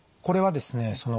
これはですね